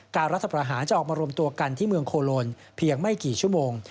รัฐประหารจะออกมารวมตัวกันที่เมืองโคโลนเพียงไม่กี่ชั่วโมง